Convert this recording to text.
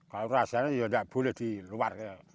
kalau rahasianya ya nggak boleh di luar